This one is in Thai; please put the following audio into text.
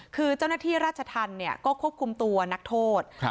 คือเจ้าหน้าที่ราชธรรมเนี่ยก็ควบคุมตัวนักโทษ